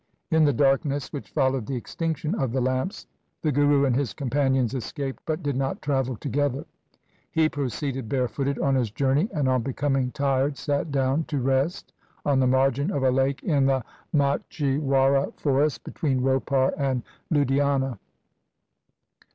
In the darkness, which followed the extinction of the lamps, the Guru and his companions escaped, but did not travel together. He proceeded barefooted on his journey, and on becoming tired sat down to rest, on the margin of a lake in the Machhiwara forest between Ropar and Ludhiana.